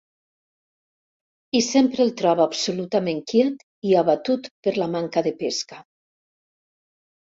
I sempre el troba absolutament quiet i abatut per la manca de pesca.